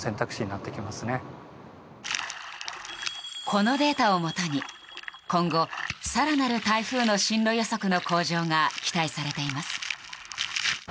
このデータをもとに今後、更なる台風の進路予測の向上が期待されています。